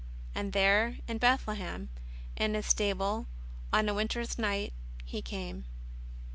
And there, in Bethlehem, in a stable, on a winter's night, He came.